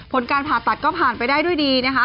ผลการผ่าตัดก็ผ่านไปได้ด้วยดีนะคะ